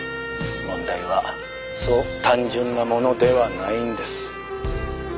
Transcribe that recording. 問題はそう単純なものではないんです」。